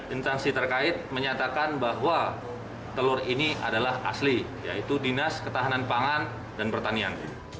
instansi terkait menyatakan bahwa telur ini adalah asli yaitu dinas ketahanan pangan dan pertanian